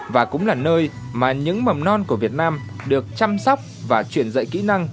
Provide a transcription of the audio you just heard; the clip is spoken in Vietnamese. và cũng là nơi mà những mầm non của việt nam được chăm sóc và truyền dạy kỹ năng